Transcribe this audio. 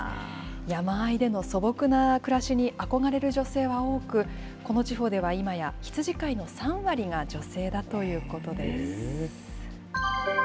山あいでの素朴な暮らしに憧れる女性は多く、この地方ではいまや羊飼いの３割が女性だということです。